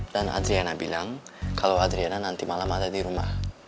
dan adriana bilang kalau adriana nanti malam ada di rumah